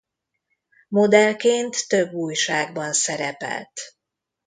Modellként több újságban szerepelt.